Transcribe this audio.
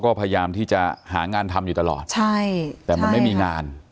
ก็พยายามที่จะหางานทำอยู่ตลอดใช่แต่มันไม่มีงาน